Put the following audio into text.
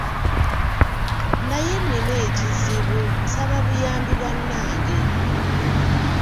"Naye nnina ekizibu, nsaba buyambi bannange."